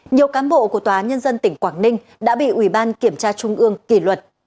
nhiều cán bộ của tòa án nhân dân tỉnh quảng ninh đã bị ủy ban kiểm tra trung ương kỳ luật